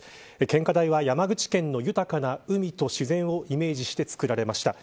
献花台は、山口県の豊かな海と自然をイメージして作られました。